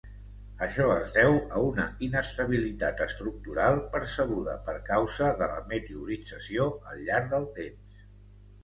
Això es deu a una inestabilitat estructural percebuda per causa de la meteorització al llarg del temps.